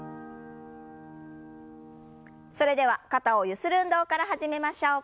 それでは肩をゆする運動から始めましょう。